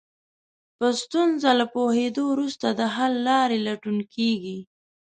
په ستونزه له پوهېدو وروسته د حل لارې لټون کېږي.